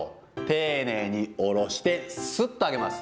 丁寧におろして、すっと上げます。